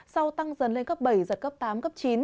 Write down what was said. sau tăng dần lên cấp bảy giật cấp tám cấp chín